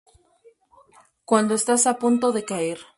cuando estás a punto de caer